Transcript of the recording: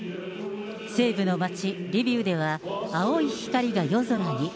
西部の町リビウでは、青い光が夜空に。